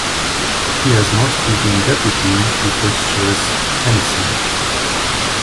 He has mostly been deputy to first-choice Hennessey.